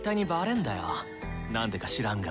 何でか知らんが。